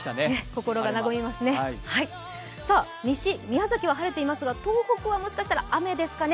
心が和みますね、西、宮崎は晴れていますが、東北はもしかしたら雨ですかね。